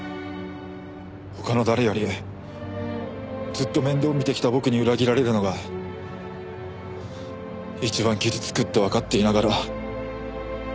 他の誰よりずっと面倒見てきた僕に裏切られるのが一番傷つくってわかっていながら。